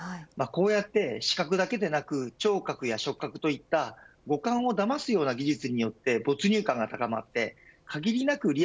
こうやって視覚だけでなく聴覚や触覚といった五感をだますような技術によって没入感が高まって限りなく